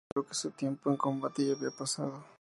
Rex reiteró que su tiempo en combate ya había pasado.